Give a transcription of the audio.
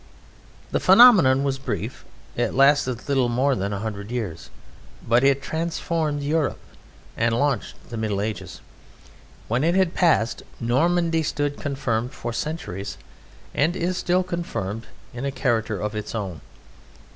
The phenomenon was brief. It lasted little more than a hundred years, but it transformed Europe and launched the Middle Ages. When it had passed, Normandy stood confirmed for centuries (and is still confirmed) in a character of its own.